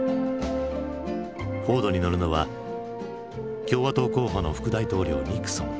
フォードに乗るのは共和党候補の副大統領ニクソン。